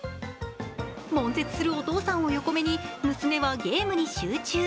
もん絶するお父さんを横目に娘はゲームに集中。